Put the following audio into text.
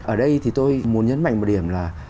ở đây tôi muốn nhấn mạnh một điểm là